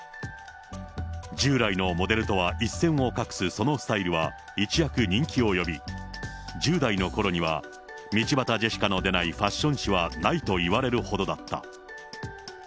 従来のモデルとは一線を画すそのスタイルは一躍人気を呼び、１０代のころには、道端ジェシカの出ないファッション誌はないといわれるほどだった。